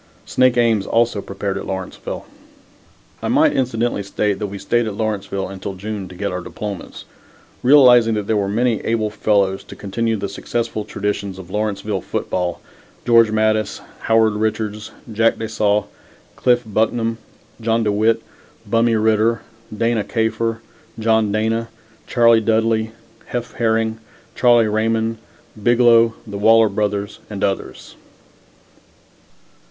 Snake Ames also prepared at Lawrenceville. I might incidentally state that we stayed at Lawrenceville until June to get our diplomas, realizing that there were many able fellows to continue the successful traditions of Lawrenceville football, George Mattis, Howard Richards, Jack de Saulles, Cliff Bucknam, John De Witt, Bummie Ritter, Dana Kafer, John Dana, Charlie Dudley, Heff Herring, Charlie Raymond, Biglow, the Waller brothers and others.